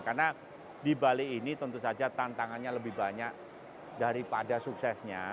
karena di bali ini tentu saja tantangannya lebih banyak daripada suksesnya